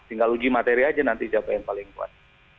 tinggal uji materi aja nanti siapa yang paling kuat